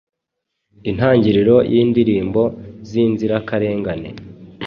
Intangiriro Yindirimbo Zinzirakarengane